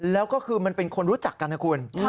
แล้วก็คือมันเป็นคนรู้จักกันนะคุณ